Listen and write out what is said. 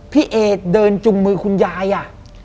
พี่เอเดินจุงมือคุณยายอ่ะ